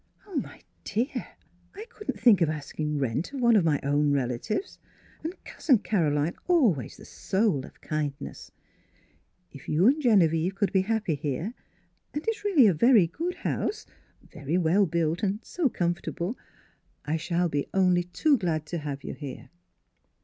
" Oh, my dear, I couldn't think of ask ing rent of one of my own relatives, and Cousin Caroline always the soul of kind ness ! If you and Genevieve could be happy here — and it's really a very good house ; very well built, and so comfortable — I shall be only too glad to have you here."